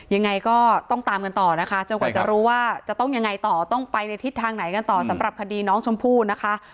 ยังไงก็ต้องตามกันต่อนะคะจนกว่าจะรู้ว่าจะต้องยังไงต่อต้องไปในทิศทางไหนกันต่อสำหรับคดีน้องชมพู่นะคะ